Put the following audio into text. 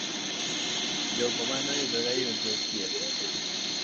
Jogo mane oinyore yudo thieth.